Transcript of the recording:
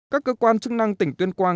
các cơ quan chức năng tỉnh tuyên quang